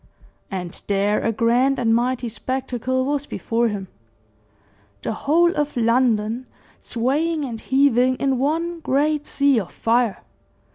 And there a grand and mighty spectacle was before him the whole of London swaying and heaving in one great sea of fire.